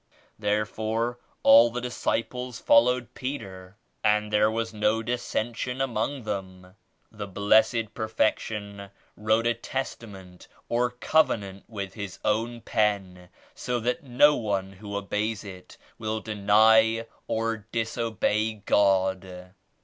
Therefore all the disciples followed Peter and there was no dissension among them. The Blessed Perfection wrote a Testament or Covenant with His Own Pen so that no one who obeys it will deny or dis obey God.